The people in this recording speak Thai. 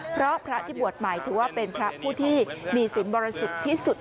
เพราะพระที่บวชใหม่ถือว่าเป็นพระผู้ที่มีสินบริสุทธิ์ที่สุด